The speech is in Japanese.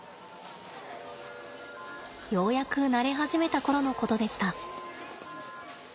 ようやく慣れ始めた頃のことでした。